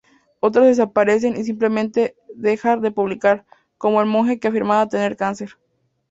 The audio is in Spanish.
Otros desaparecen y simplemente dejar de publicar, como el monje que afirmaba tener cáncer.